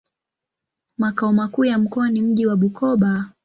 Makao makuu ya mkoa ni mji wa Bukoba.